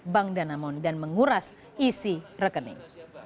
bank danamon dan menguras isi rekening